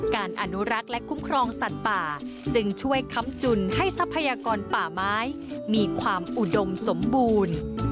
อนุรักษ์และคุ้มครองสัตว์ป่าจึงช่วยค้ำจุนให้ทรัพยากรป่าไม้มีความอุดมสมบูรณ์